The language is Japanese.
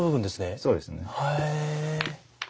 そうですね。